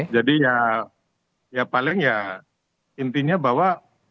jadi ya paling ya intinya bahwa